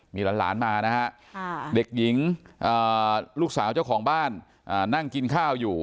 มีหลานมานะฮะเด็กหญิงลูกสาวเจ้าของบ้านนั่งกินข้าวอยู่